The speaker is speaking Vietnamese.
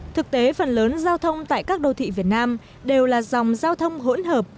thực tế phần lớn giao thông tại các đô thị việt nam đều là dòng giao thông hỗn hợp